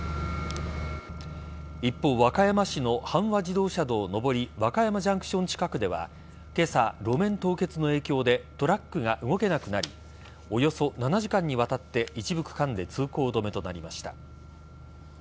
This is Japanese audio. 一方、和歌山市の阪和自動車道上り和歌山ジャンクション近くでは今朝、路面凍結の影響でトラックが動けなくなりおよそ７時間にわたって一部区間で通行止めとなりました。